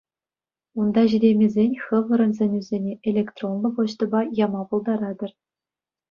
Унта ҫитеймесен хӑвӑрӑн сӗнӳсене электронлӑ почтӑпа яма пултаратӑр.